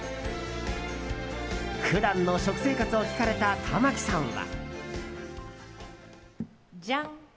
普段の食生活を聞かれた玉木さんは。